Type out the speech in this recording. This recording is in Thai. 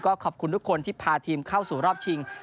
ขอบคุณทุกคนที่พาทีมเข้าสู่รอบชิง